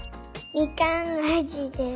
みかんあじです。